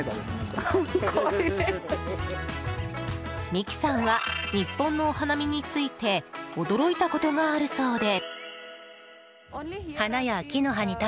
ミキさんは日本のお花見について驚いたことがあるそうで。